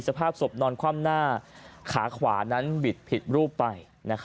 สภาพศพนอนคว่ำหน้าขาขวานั้นบิดผิดรูปไป